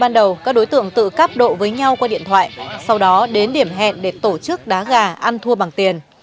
ban đầu các đối tượng tự cắp độ với nhau qua điện thoại sau đó đến điểm hẹn để tổ chức đá gà ăn thua bằng tiền